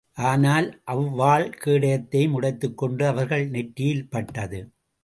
ஆனால், அவ்வாள் கேடயத்தையும் உடைத்துக்கொண்டு அவர்கள் நெற்றியில் பட்டது.